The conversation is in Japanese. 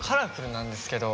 なんですけど